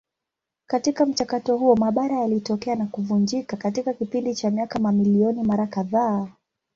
Katika mchakato huo mabara yalitokea na kuvunjika katika kipindi cha miaka mamilioni mara kadhaa.